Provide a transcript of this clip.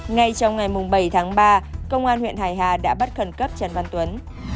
ngay trong ngày bảy tháng ba công an huyện hải hà đã bắt khẩn cấp trần văn tuấn